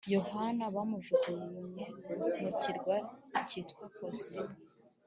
yohana bamujugunye ku kirwa cyitwa posimo